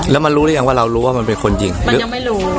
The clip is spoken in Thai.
แล้วมันรู้หรือยังว่าเรารู้ว่ามันเป็นคนยิงมันยังไม่รู้